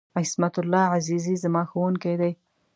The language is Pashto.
عصمت الله عزیزي ، زما ښوونکی دی.